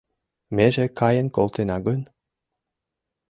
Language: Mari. Меже каен колтена гын